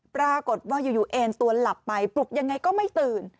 ปรากฏว่าอยู่เอ็นตัวหลับไปปลุกยังไงก็ไม่ตื่น